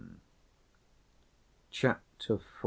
Chapter IV.